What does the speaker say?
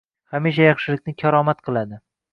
Hamisha yaxshilikni «karomat» qiladi.